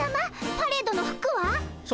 パレードの服はっ？